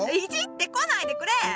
いじってこないでくれ！